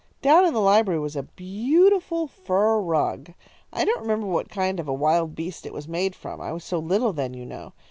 "Down in the library was a beautiful fur rug. I don't remember what kind of a wild beast it was made from; I was so little, then, you know.